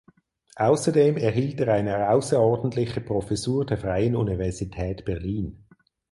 Außerdem erhielt er eine außerordentliche Professur der Freien Universität Berlin.